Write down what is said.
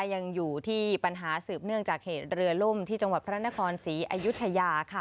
ยังอยู่ที่ปัญหาสืบเนื่องจากเหตุเรือล่มที่จังหวัดพระนครศรีอยุธยาค่ะ